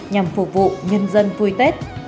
nhằm phục vụ nhân dân vui tết